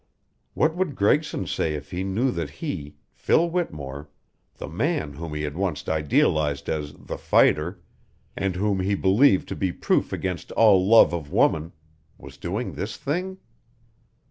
What would Gregson say if he knew that he Phil Whittemore, the man whom he had once idealized as "The Fighter," and whom he believed to be proof against all love of woman was doing this thing?